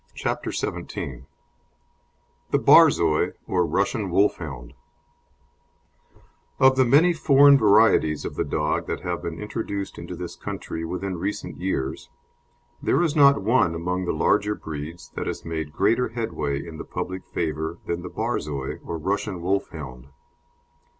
CHAPTER XVII THE BORZOI OR RUSSIAN WOLFHOUND Of the many foreign varieties of the dog that have been introduced into this country within recent years, there is not one among the larger breeds that has made greater headway in the public favour than the Borzoi, or Russian Wolfhound.